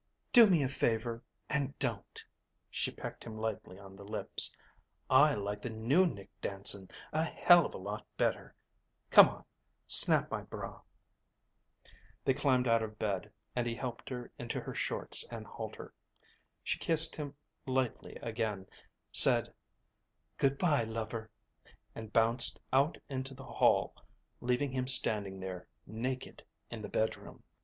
"Do me a favor and don't." She pecked him lightly on the lips. "I like the new Nick Danson a hell of a lot better. C'mon. Snap my bra." They climbed out of bed and he helped her into her shorts and halter. She kissed him lightly again, said; "Good by, lover," and bounced out into the hall, leaving him standing there, naked in the bedroom.